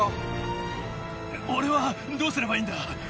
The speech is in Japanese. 俺はどうすればいいんだ？